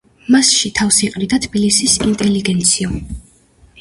მასში თავს იყრიდა თბილისის ინტელიგენცია.